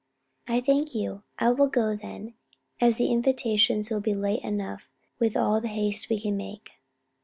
"I thank you: I will go then, as the invitations will be late enough with all the haste we can make."